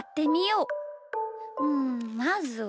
うんまずは。